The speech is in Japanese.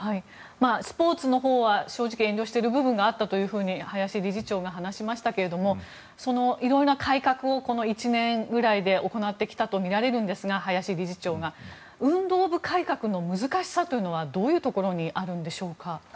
スポーツのほうは正直遠慮している部分があったというふうに林理事長が話しましたがいろんな改革をこの１年ぐらいで行ってきたとみられるんですが運動部改革の難しさはどういうところにあるんでしょうか？